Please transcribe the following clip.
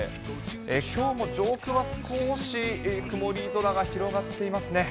きょうも上空は少し曇り空が広がっていますね。